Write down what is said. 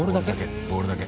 ボールだけ？